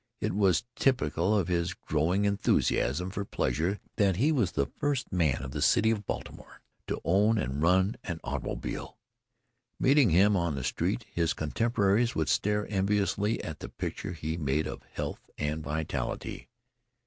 It was typical of his growing enthusiasm for pleasure that he was the first man in the city of Baltimore to own and run an automobile. Meeting him on the street, his contemporaries would stare enviously at the picture he made of health and vitality.